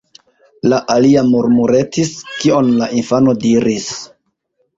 la alia murmuretis, kion la infano diris.